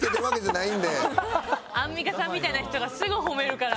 アンミカさんみたいな人がすぐ褒めるから。